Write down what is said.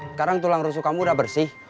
sekarang tulang rusuh kamu udah bersih